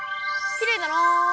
きれいだな。